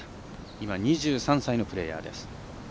今、２３歳のプレーヤーです。